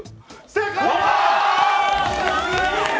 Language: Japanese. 正解！